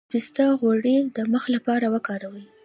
د پسته غوړي د مخ لپاره وکاروئ